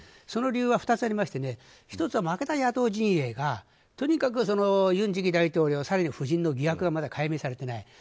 その理由は２つありまして１つは負けた野党陣営がとにかく尹次期大統領更に夫人の疑惑がまだ解明されていない。